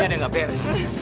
biar dia gak beres